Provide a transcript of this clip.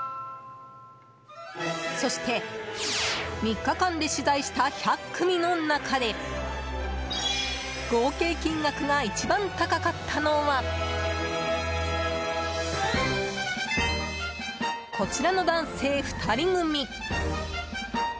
そして、３日間で取材した１００組の中で合計金額が一番高かったのはこちらの男性２人組。